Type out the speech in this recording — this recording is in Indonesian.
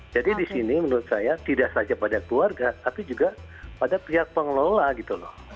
jadi di sini menurut saya tidak saja pada keluarga tapi juga pada pihak pengelola gitu loh